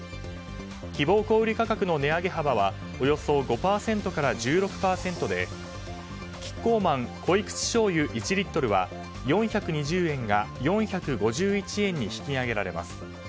希望小売価格の値上げ幅はおよそ５％から１６％でキッコーマンこいくちしょうゆ１Ｌは４２０円が４５１円に引き上げられます。